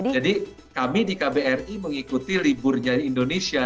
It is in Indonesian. jadi kami di kbri mengikuti liburnya indonesia